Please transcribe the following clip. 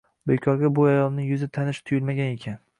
Bekorga bu ayolning yuzi tanish tuyulmagan ekan